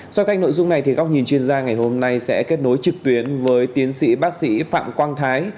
so với các nội dung này các nhìn chuyên gia ngày hôm nay sẽ kết nối trực tuyến với tiến sĩ bác sĩ phạm quang thái